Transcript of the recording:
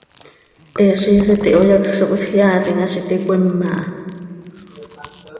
He ziix iti hoyacj zo cöhisjeaatim ha z iti cöima ha.